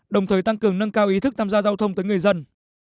đồng thời tăng cường nâng cao ý thức tham gia giao thông tới người dân